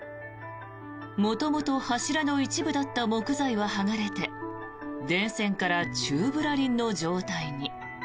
元々、柱の一部だった木材は剥がれて電線から中ぶらりんの状態に。